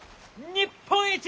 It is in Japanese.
日本一！